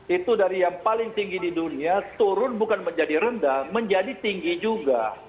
itu dari yang paling tinggi di dunia turun bukan menjadi rendah menjadi tinggi juga